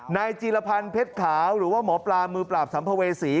นายจีรพันธ์เพชรขาวหรือว่าหมอปลามือปราบสัมภเวษี